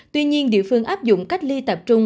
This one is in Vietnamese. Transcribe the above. tuy nhiên địa phương áp dụng cách ly tập trung